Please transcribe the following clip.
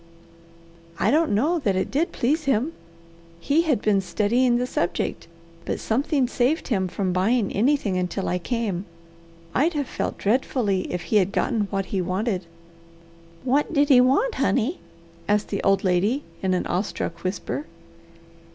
"I don't know that it did please him. He had been studying the subject, but something saved him from buying anything until I came. I'd have felt dreadfully if he had gotten what he wanted." "What did he want, honey?" asked the old lady in an awestruck whisper.